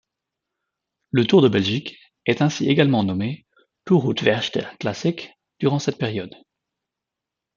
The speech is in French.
Le Tour de Belgique est ainsi également nommé Torhout Werchter Classic durant cette période.